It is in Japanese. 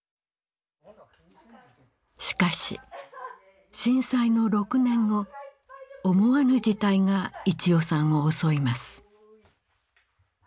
しかし震災の６年後思わぬ事態が一代さんを襲います。